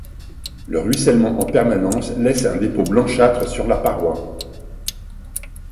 Le ruissellement en permanence laisse un dépôt blanchâtre sur la paroi.